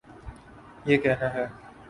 یہ کہنا ہے۔